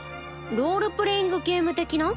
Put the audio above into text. ロールプレイングゲーム的な？